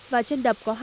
và trên đập có